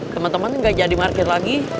teman teman nggak jadi market lagi